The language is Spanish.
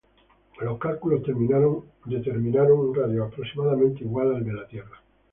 Los cálculos determinaron un radio aproximadamente igual al de la Tierra.